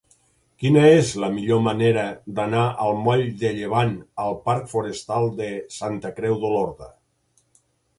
Quina és la millor manera d'anar del moll de Llevant al parc Forestal de Santa Creu d'Olorda?